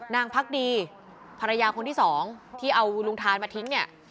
นางพักดีภรรยาคนที่สองที่เอาลุงทานมาทิ้งเนี่ย